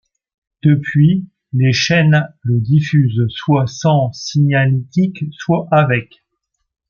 Depuis, les chaînes le diffusent soit sans signalétique soit avec.